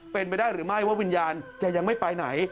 เป็นไปได้หรือไม่ว่าวิญญาณจะยังไม่ไปไหน